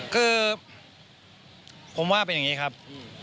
คือผมว่าเป็นอย่างนี้ครับ